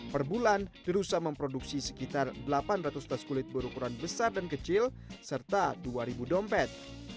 perbulan the rusa memproduksi sekitar delapan ratus tas kulit berukuran besar dan kecil serta dua ribu dompet